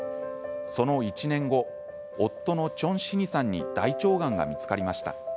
その１年後、夫の鄭信義さんに大腸がんが見つかりました。